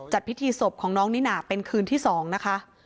พิธีศพของน้องนิน่าเป็นคืนที่๒นะคะ